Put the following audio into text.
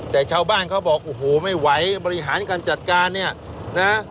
แต่ชาวบ้านเขาบอกโอ้โหไม่ไหวบริหารการจัดการเนี่ยนะ